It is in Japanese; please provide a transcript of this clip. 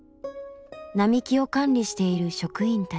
並木を管理している職員たち。